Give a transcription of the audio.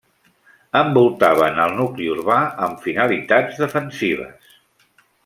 Envoltaven el nucli urbà amb finalitats defensives.